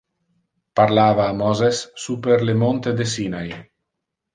parlava a Moses super le monte de Sinai.